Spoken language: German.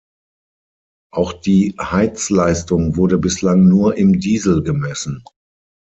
Auch die Heizleistung wurde bislang nur im Diesel gemessen.